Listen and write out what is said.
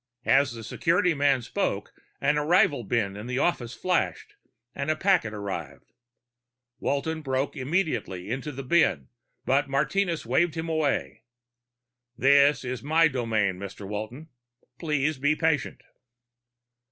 As the security man spoke, an arrival bin in the office flashed and a packet arrived. Walton broke impatiently for the bin, but Martinez waved him away. "This is my domain, Mr. Walton. Please be patient."